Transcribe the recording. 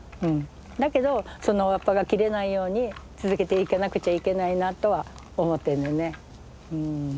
だけどその輪っぱが切れないように続けていかなくちゃいけないなとは思ってるのよねうん。